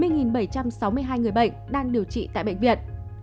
hai mươi bảy trăm sáu mươi hai người bệnh đang điều trị tại bệnh viện